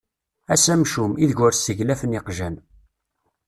Ass amcum, ideg ur sseglafen iqjan.